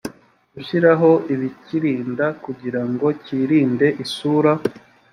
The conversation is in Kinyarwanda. gushyiraho ibikirinda kugirango kirinde isura